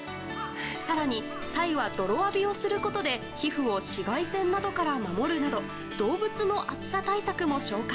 更に、サイは泥浴びをすることで皮膚を紫外線などから守るなど動物の暑さ対策も紹介。